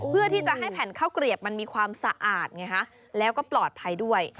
เพื่อที่จะให้แผ่นข้าวเกลียบมันมีความสะอาดไงฮะแล้วก็ปลอดภัยด้วย